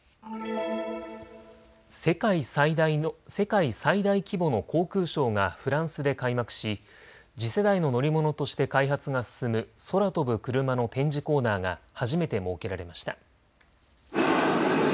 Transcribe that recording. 世界最大規模の航空ショーがフランスで開幕し次世代の乗り物として開発が進む空飛ぶクルマの展示コーナーが初めて設けられました。